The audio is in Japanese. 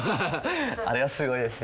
あれはすごいですよ